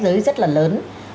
giới rất là lớn